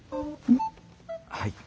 はい。